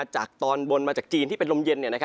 จากตอนบนมาจากจีนที่เป็นลมเย็น